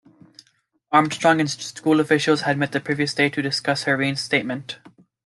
Armstrong and school officials had met the previous day to discuss her reinstatement.